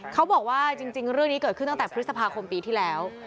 เขาบอกว่าจริงเรื่องนี้เกิดขึ้นตั้งแต่พฤษภาคมปีที่แล้ว